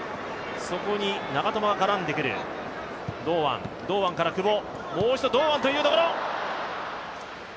そこに長友が絡んでくる、堂安から久保もう一度堂安というところ。